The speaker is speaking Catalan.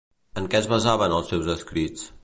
En què es basaven els seus escrits?